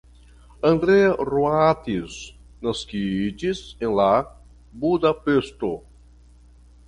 Andrea Roatis naskiĝis la en Budapeŝto.